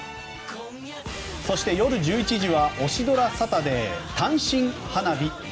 そして、夜１１時はオシドラサタデー「単身花日」。